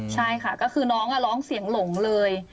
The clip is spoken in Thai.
ใช่ค่ะก็คือน้องร้องเสียงหลงเลย